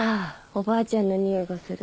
おばあちゃんの匂いがする。